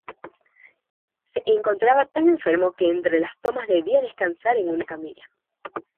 Se encontraba tan enfermo que entre las tomas debía descansar en una camilla.